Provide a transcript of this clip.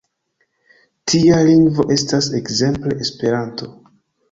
Tia lingvo estas ekzemple Esperanto.